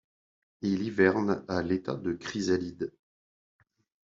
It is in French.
Il hiverne à l'état de chrysalide.